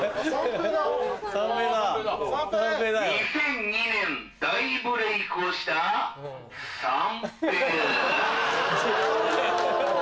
２００２年大ブレイクをした三瓶です。